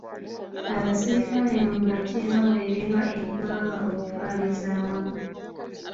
Abasirikale mu magye baweererwa eggwanga okutwaliza awamu.